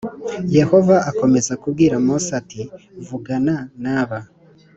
Yehova akomeza kubwira Mose ati vugana naba